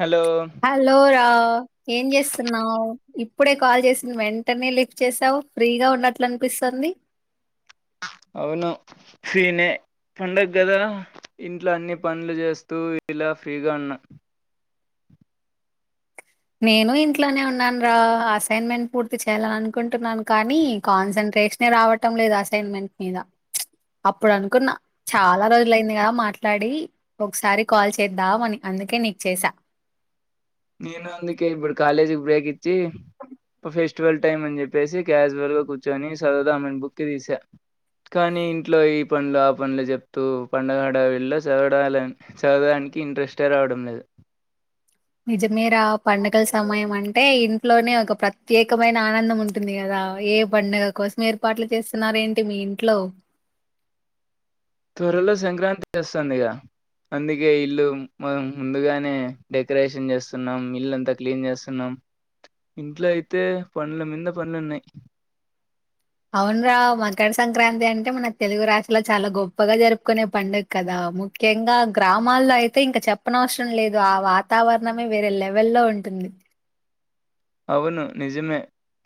Hello hello రా ఏం చేస్తున్నావు ఇప్పుడే కాల్ చేసింది వెంటనే లిఫ్ట్ చేసావు ఫ్రీగా ఉన్నట్లు అనిపిస్తుంది అవును ఫ్రీనే పండగ కదా ఇంట్లో అన్ని పనులు చేస్తూ ఇలా ఫ్రీగా ఉన్నా నేను ఇంట్లోనే ఉన్నాను రా అసైన్మెంట్ పూర్తి చేయాలని అనుకుంటున్నాను కానీ కాన్సంట్రేషనే రావటం లేదు అసైన్మెంట్ మీద అప్పుడు అనుకున్నా చాలా రోజులయింది కదా మాట్లాడి ఒకసారి కాల్ చేద్దాం అని అందుకే నీకు చేసా నేను అందుక ఇడు కాలేజికి బ్రేక్ ఇ ప్రఫ ఫెస్టివల్ టైమ్ అని చెప్పేసి క్యాజువల్గా కూర్చొని చదదా ఆమెను బుక్కి తీశా కానీ ఇంట్లో ఈ పనులు ఆ పనులు చెప్తూ పండగడ వీళ్ళ చదవాలని చదవడానికి ఇంట్రెస్టే రావడం లేదు నిజమేర పండుగల సమయం అంటే ఇంట్లోనే ఒక ప్రత్యేకమైన ఆనందం ఉంటుంది కదా ఏ పండుగ కోసం ఏర్పాట్లు చేస్తున్నారుార ఏంటి మీ ఇంట్లో త్వరలో సంక్రాంతి చేస్తుందిగా అందుకే ఇల్లు మం ముందుగానే డెకరేషన్ చేస్తున్నాం ఇల్లుంతా క్లీన్ చేస్తున్నాం ఇంట్లో అయితే పంల మీద పంలున్నాయి అవునరా మకర సంక్రాంతి అంటే మన తెలుగు రాష్ట్రలో చాలా గొప్పగా జరుపుకునే పండుగ కదా ముఖ్యంగా గ్రామాల్లో అయితే ఇంకా చెప్పన అవసరం లేదు ఆ వాతావరణమే వేరే లెవెల్లో ఉంటుంది అవును నిజమే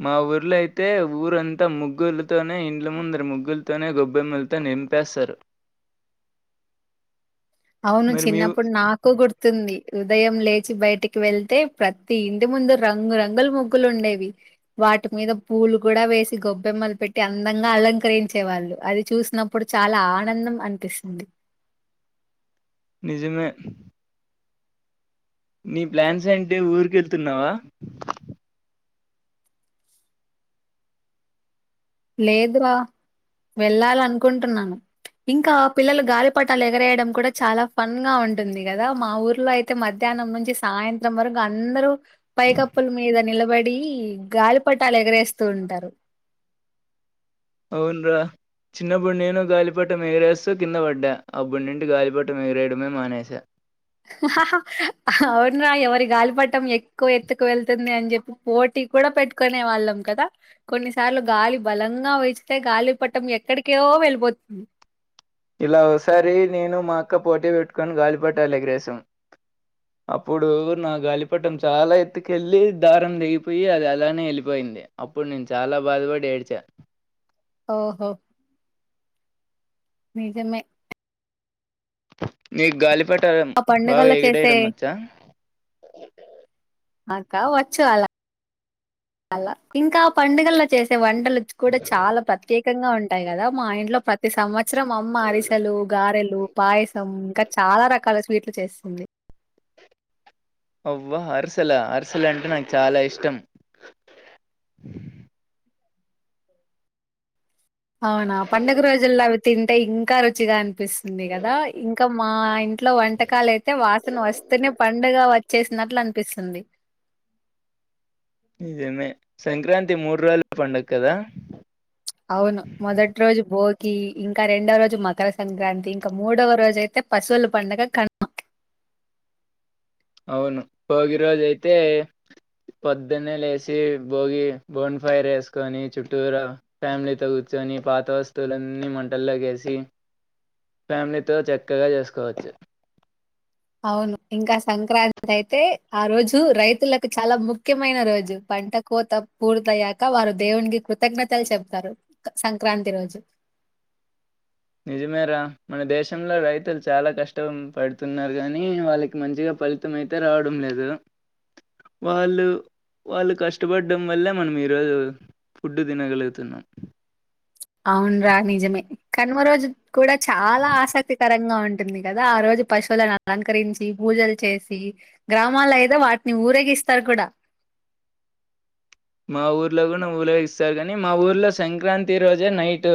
మా ఊర్లోయితే ఊరంతా ముగ్గులతోనే ఇండ్ల ముందర ముగ్గులతోనే గొబ్బెమ్మలతో నింపేస్తారు అవును మరి మీ ఊ చిన్నప్పుడు నాకు గుర్తుంది ఉదయం లేచి బయటికి వెళ్తే ప్రతి ఇంటి ముందు రంగు రంగుల ముగ్గులు ఉండేవి వాటి మీద పూలు కూడా వేసి గొబ్బెమ్మలు పెట్టి అందంగా అలంకరించే వాళ్ళు అది చూసినప్పుడు చాలా ఆనందం అనిపిస్తుంది విజమే నీ ప్లాన్స్ ఏ అంటే ఊరిక వెళ్తున్నావా లేదు రా వెళ్ళాల అనుకుంటున్నాను ఇంకా పిల్లలు గాలిపటాలు ఎగరేయడం కూడా చాలా ఫన్ గా ఉంటుంది కదా మా ఊర్లో అయితే మధ్యాహ్నం నుంచి సాయంత్రం వరకు అందరూ పైకప్పుల మీద నిలబడి గాలిపటాలు ఎగరేస్తూ ఉంటారు అవున్రా చిన్నప్పుడి నేను గాలిపట మగిరేస్తో కింద పడ్డా ఆ బుడింటి గాలిపట మగిరేయడమే మానేసా హ హ అ హ అవునా ఎవరి గాలిపట్టం ఎక్కువ ఎత్తుకు వెళ్తుంది అని చెప్పి పోటీ కూడా పెట్టుకునే వాళ్ళం కదా కొన్నిసార్లు గాలి బలంగా విస్తే గాలిపట్టం ఎక్కడికో వెళ్ళిపోతుంది ఇలా ఒకసారి నేను మా అక్క పోటీ పెట్టుకోని గాలిపట్టాలేగరేశం అప్పుడు నా గాలిపట్టం చాలా ఎత్తుకెళ్ళి దారం తేగిపోయి అది అలానే వెళ్ళిపోయింది అప్పుడు నేను చాలా బాధపడి ఏడ్చా ఓహో నిజమే నీకు గాలి పట్టం ఆ పండుగళ్ల చేసే అక్క వచ్చు అలా అలా ఇంకా పండుగల్లో చేసే వం కూడా చాలా ప్రత్యేక వంగా ఉంటాయి కదా మా ఇంట్లో ప్రతి సంవత్స త్సరం అమ్మ అరిసెలు గారెలు పాయసం కట్ చాలా రకాల స్వీట్లు చేస్తుంది అవ్వా అరిసెల అరిసెలు అంటే నాకు చాలా ఇష్టం అవునా పండుగ రోజుల్లో అవి తింటే ఇంకా రుచిగా అనిపిస్తుంది కదా ఇంకా మా ఇంట్లో వంటకాలు అయితే వాసన వస్తూనే పండుగ వచ్చేసినట్లు అనిపిస్తుంది నిజమే సంక్రాంతి మూడు రోజుల పండుగ కదా అవును మొదటి రోజు బోగి కి ఇంకా రెండవ రోజు మకర సంక్రాంతి ఇంకా మూడవ రోజు అయితే పశువుల పండగ కనుమ అవును భోగి రోజయితే పొద్దున్నే లేసి భోగి బోన్ ఫైర్ వేసుకొని చుట్టూర ఫ్యామిలీతో కూర్చొని పాత వస్తువులన్నీ మంటల్లోకి వేసి ఫ్యామిలీతో చక్కగా చేసుకోవచ్చు అవును ఇంకా సంక్రాంతి అయితే ఆ రోజు రైతులకు చాలా ముఖ్యమైన రోజు పంట కోత పూర్త అయ్యాక వారు దేవునికి కృతజ్ఞతలు చెప్తారు సంక్రాంతి రోజు నిజమే రా మన దేశంలో రైతులు చాలా కష్ట పడుతున్నారు కానీ వాళ్ళకి మంచిగా ఫలితం అయితే రావడం లేదు కదా వాళ్ళు వాళ్ళు కష్టపడడం వల్లే మనం ఈరోజు ఫుడ్డు తినగలుగుతున్నాం అవున్రా నిజమే కనుమ రోజు కూడా చాలా ఆసక్తికర కరంగా ఉంటుంది కదా ఆ రోజు పశువులను అలంకరించి పూజలు చేసి గ్రామాల్లో అయితే వాటిని ఊరేగిస్తారు కూడా మా ఊర్లో కూడా ఊరేగిస్తారు కానీ మా ఊర్లో సంక్రాంతి రోజే నైట్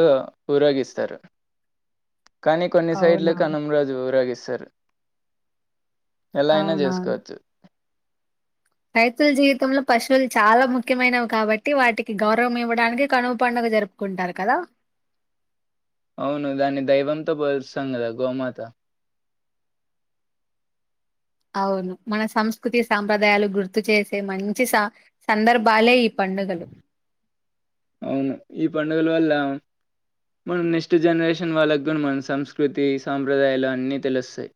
ఊరేగిస్తారు కానీ కొన్ని సైడ్లు అవునా? కనుమ రోజు ఊరేగిస్తారు ఎలాయినా అవునవును. చేసుకోవచ్చు రైతుల జీవితంలో పశువులు చాలా ముఖ్యమైనవి కాబట్టి వాటికి గౌరవం ఇవ్వడానికి కనువు పండుగ జరుపుకుంటారు కదా అవును దాన్ని దైవంతో పోలుస్తాం కదా గోమాత అవును మన సంస్కృతి సాంప్రదాయాలు గుర్తు చేసే మంచి స సందర్భాలే ఈ పండుగలు. అవును ఈ పండ పండుగల వల్ల మనం నెక్స్ట్ జనరేషన్ వాళ్ళకు కూడా మన సంస్కృతి సాంప్రదాయాలు అన్నీ తెలుస్తాయి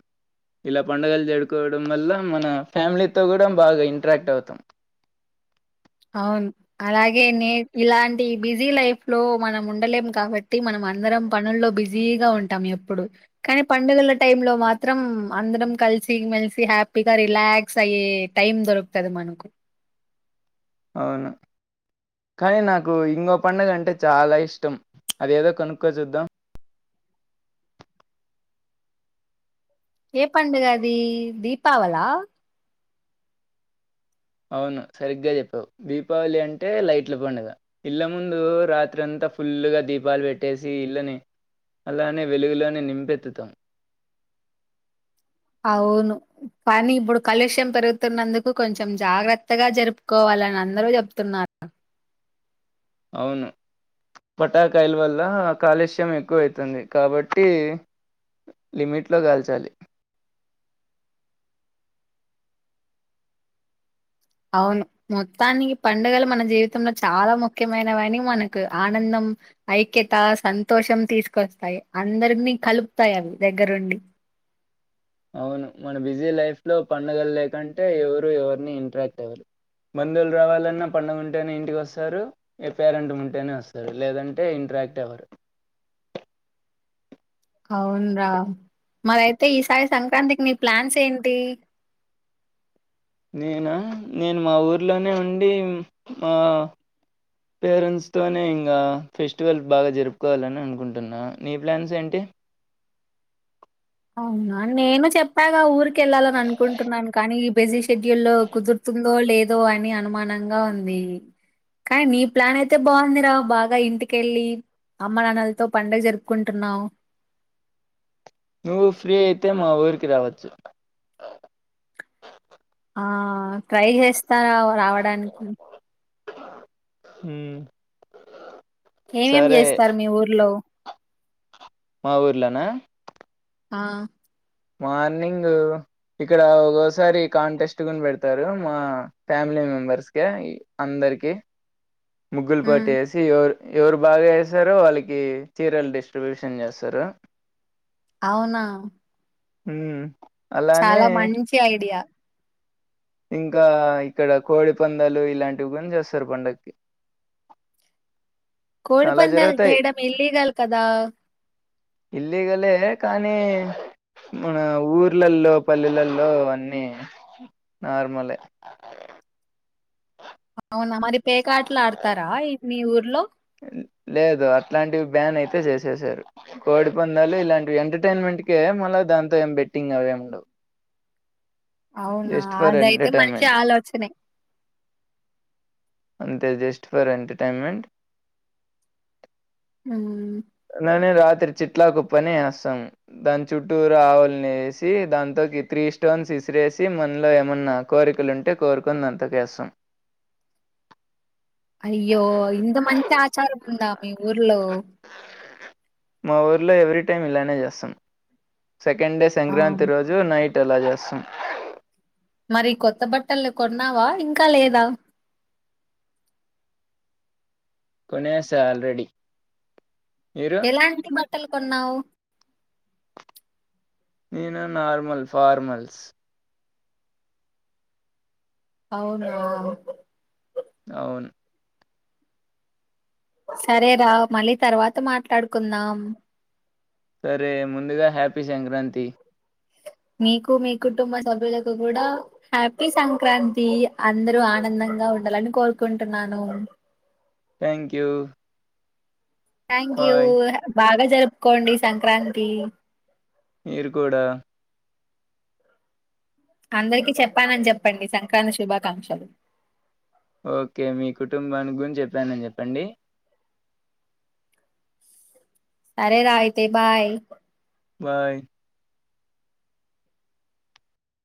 ఇలా పండుగలు జరుపుకోవడం వల్ల మన ఫ్యామిలీతో కూడా బాగా ఇంట్రాక్ట్ అవుతాం అవును అలాగే నే ఇలాంటి బిజీ లైఫ్ లో మనం ఉండలేం కాబట్టి మనం అందరం పనుల్లో బిజీగా ఉంటాం ఎప్పుడు కానీ పండుగల టైంలో మాత్రం అందరం కలిసి మేలిసి హ్యాపీగా రిలాక్స్ అయ్యే టైం దొరుకుతాది మనకు అవును కానీ నాకు ఇంకో పండుగ అంటే చాలా ఇష్టం అది ఏదో కనుక్కో చూద్దాం ఏ పండుగ అది దీపావళ అవును సరిగ్గా చెప్పావు దీపావళి అంటే లైట్ల పండుగ ఇళ్ల ముందు రాత్రంతా ఫుల్గా దీపాలు పెట్టేసి ఇళ్లని అలానే వెలుగులోనే నింపెత్తుతాం అవును కానీ ఇప్పుడు కలుష్యం పెరుగుతున్నందుకు కొంచెం జాగ్రత్తగా జరుపుకోవాలని అందరూ చెప్తున్నారు అవును పటాకాయల వల్ల కాలుష్యం ఎక్కువ అయితుంది కాబట్టి లిమిట్లో కాల్చాలి అవును మొత్తానికి పండుగలు మన జీవితంలో చాలా ముఖ్యమైనవని మనకు ఆనందం ఐక్యత సంతోషం తీసుకొస్తాయి అందరినీ కలుపుతాయి అవి దగ్గరుండి అవును మన బిజీ లైఫ్లో పండుగలు లేకుంటే ఎవరు ఎవరిని ఇంట్రాక్ట్ అవ్వరు బంధువులు రావాలన్నా పండుగ ఉంటేనే ఇంటికి వస్తారు ఏ పే [unintelligible] రెంటం ఉంటేనే వస్తారు లేదంటే ఇంట్రాక్ట్ అవ్వరు అవున్రా మరయితే ఈసారి సంక్రాంతికి మీ ప్లాన్స్ ఏంటి నేను నేను మా ఊర్లోనే ఉండి మా పేరెంట్స్ తోనే ఇంకా ఫెస్టివల్ బాగా జరుపుకోవాలని అనుకుంటున్నా నీ ప్లాన్స్ ఏంటి అవునా నేను చెప్పాగా ఊరికి వెళ్ళాలని అనుకుంటున్నాను కానీ బిజీ షెడ్యూల్ కుదురుతుందో లేదో అని అనుమానంగా ఉంది కానీ నీ ప్లాన్ అయితే బాగుందిరా బాగా ఇంటికెళ్ళి అమ్మ నాన్నలతో పండుగ జరుపుకుంటున్నావు నువ్వు ఫ్రీ అయితే మా ఊరికి రావచ్చు ఆ ట్రై చేస్తారా రావడానికి హ్మ్ ఏమ్ ఏమ్ సరే చేస్తారు మీ ఊర్లో మా ఊర్లొనా ఆ మార్నింగ్ ఇక్కడ ఒకొసారి కాంటెస్ట్ గుని పెడతారు మా ఫ్యామిలీ మెంబర్స్ కి అందరికి ముగ్గులు ఉమ్ పెట్టేసి ఎవరు బాగా వస్తారో వాళ్ళకి చీరలు డిస్ట్రిబ్యూషన్ చేస్తారు అవునా హ్మ్ అలానే చాలా మంచి ఐడియా ఇంకా ఇక్కడ కోడి పందాలు ఇలాంటివి కూనా చేస్తారు పండగకి కోడి పందాలు చేయడం ఇల్లీగల్ కదా ఇల్లీగలే కానీ మన ఊర్లల్లో పల్లెలల్లో అన్నీ నార్మలే ఆ అవునా మరి పేకాటలు ఆడతారా ఈ మీ ఊర్లో లేదు అట్లాంటివి బ్యాన్ అయితే చేసేసారు కోడి పందాలు ఇలాంటివి ఎంటర్టైన్మెంట్కే మళ్ళీ దాంతో ఏం బెట్టింగ్ అవేమ్ ఉండవు అవునా జస్ట్ ఫర్ అదైతే మంచి ఎంటర్టైన్మెంట్ ఆలోచనే అంతే జస్ట్ ఫర్ ఎంటర్టైన్మెంట్ అ నేనే రాత్రి చిట్లాకు ఉప్పని వేస్తాం దాని చుట్టూర ఆవుల్ని వేసి దాంతోకి త్రీ స్టోన్స్ విసిరేసి మనలో ఏమన్నా కోరికలు ఉంటే కోరుకొని దాంతోకి వేస్తాం అయ్యో ఇంద మంచి ఆచారం ఉందా మీ ఊర్లో మా ఊర్లో ఎవ్రీ టైం ఇలానే చేస్తాం సెకండ్ డే ఆ సంక్రాంతి రోజు నైట్ ఎలా చేస్తాం మరి కొత్త బట్టలు కొన్నావా ఇంకా లేదా కొనేస ఆల్రెడీ మీరు ఎలాంటి బట్టలు కొన్నావు నేను నార్మల్ ఫార్మల్స్ అవును అవును సరేరా మళ్ళీ తర్వాత మాట్లాడుకుందాం సరే ముందుగా హ్యాపీ సంక్రాంతి మీకు మీ కుటుంబ సభ్యులకు కూడా హ్యాపీ సంక్రాంతి అందరూ ఆనందంగా ఉండాలని కోరుకుంటున్నాను thank you thank you bye బాగ జరుపుకోండి సంక్రాంతి మీరు కూడా అందరికి చెప్ప చెప్పానని చెప్పండి సంక్రాంతి శుభాకాంక్షలు కాంక్షలు ఓకే మీ కుటుంబానికి గురించి చెప్పాను నని చెప్పండి సరే రా అయితే బాయి బాయ్